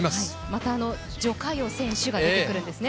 また徐嘉余選手が出てくるんですね。